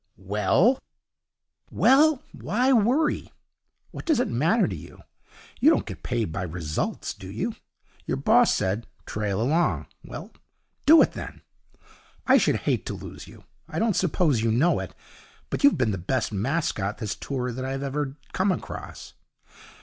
'Well?' 'Well, why worry? What does it matter to you? You don't get paid by results, do you? Your boss said "Trail along." Well, do it, then. I should hate to lose you. I don't suppose you know it, but you've been the best mascot this tour that I've ever come across.